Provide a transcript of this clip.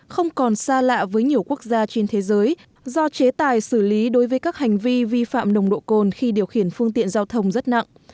không còn xa lạ với nhiều quốc gia trên thế giới do chế tài xử lý đối với các hành vi vi phạm nồng độ cồn khi điều khiển phương tiện giao thông rất nặng